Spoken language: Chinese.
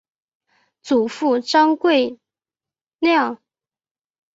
祖父张贵谅。